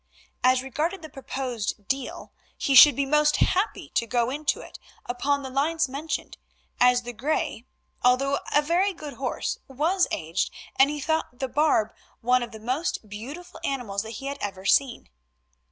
As regarded the proposed deal, he should be most happy to go into it upon the lines mentioned, as the grey, although a very good horse, was aged, and he thought the barb one of the most beautiful animals that he had ever seen.